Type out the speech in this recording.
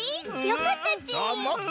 よかったち。